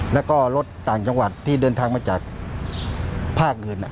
แล้วก็รถต่างจังหวัดที่เดินทางมาจากภาคอื่น